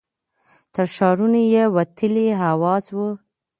تر ښارونو یې وتلې آوازه وه